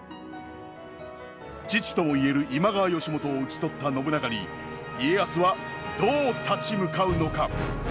父ともいえる今川義元を討ち取った信長に家康はどう立ち向かうのか。